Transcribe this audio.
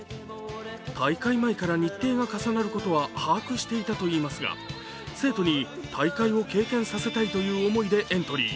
大会前から日程が重なることは把握していたといいますが生徒に大会を経験させたいという思いでエントリー。